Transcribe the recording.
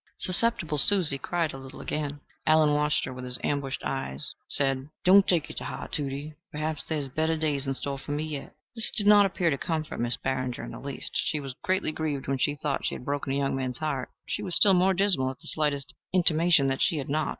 Susceptible Susie cried a little again. Allen, watching her with his ambushed eyes, said, "Don't take it to heart, Tudie. Perhaps there is better days in store for me yet." This did not appear to comfort Miss Barringer in the least. She was greatly grieved when she thought she had broken a young man's heart: she was still more dismal at the slightest intimation that she had not.